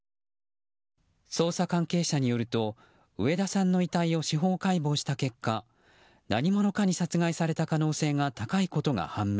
捜査関係者によると植田さんの遺体を司法解剖した結果何者かに殺害された可能性が高いことが判明。